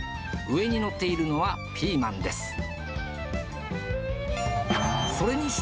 上に載っているのはピーマンです。